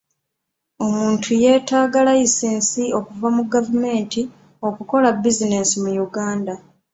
Omuntu yeetaaga layisinsi okuva mu gavumenti okukola bizinensi mu Uganda.